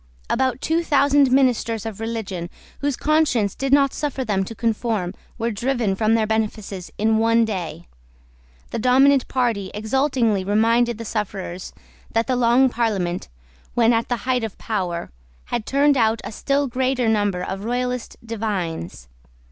About two thousand ministers of religion, whose conscience did not suffer them to conform, were driven from their benefices in one day. The dominant party exultingly reminded the sufferers that the Long Parliament, when at the height of power, had turned out a still greater number of Royalist divines.